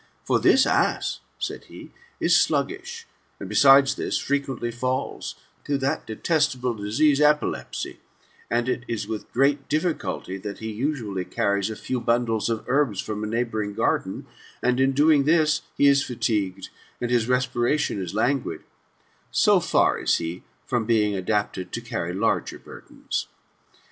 " For this ass,'* said he, " is sluggish, and, besides this, frequently falls, through that detestable disease [epilepsy] ; and it is with great difficulty that he usually carries a few bundles of herbs from a neighbouring garden, and in doing this he is fatigued, and his respiration is languid ; so far is he from being adapted to carry larger burdens.